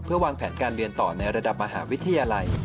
วางแผนการเรียนต่อในระดับมหาวิทยาลัย